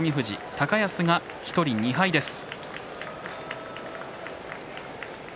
高安が１人、２敗です。